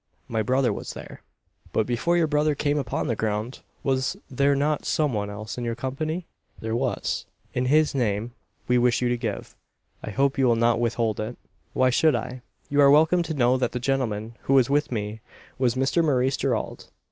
My brother was there." "But before your brother came upon the ground, was there not some one else in your company?" "There was." "It is his name we wish you to give. I hope you will not withhold it." "Why should I? You are welcome to know that the gentleman, who was with me, was Mr Maurice Gerald."